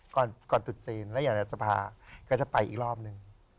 ก่อนจุดจีนแล้วอยากจะพาก็จะไปอีกรอบหนึ่ง